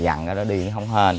dằn cái đó đi nó không hên